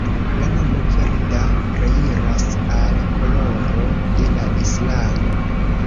La nomo Verda reiras al koloro de la islamo.